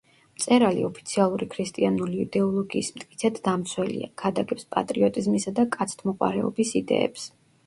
მწერალი ოფიციალური ქრისტიანული იდეოლოგიის მტკიცედ დამცველია, ქადაგებს პატრიოტიზმისა და კაცთმოყვარეობის იდეებს.